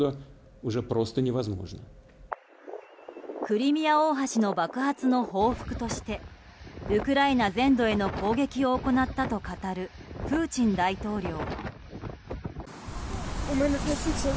クリミア大橋の爆発の報復としてウクライナ全土への攻撃を行ったと語るプーチン大統領。